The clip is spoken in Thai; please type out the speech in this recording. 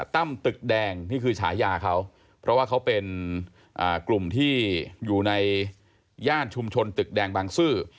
ตั้มตึกแดงนี่คือฉายาเขาเพราะว่าเขาเป็นกลุ่มที่อยู่ในย่านชุมชนตึกแดงบางซื่อ